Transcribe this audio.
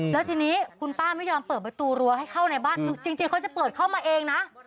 แล้วทีนี้คุณป้าไม่ยอมเปิดประตูรั้วให้เข้าในบ้านจริงเขาจะเปิดเข้ามาเองนะ